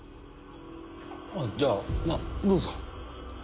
じゃあまあどうぞ。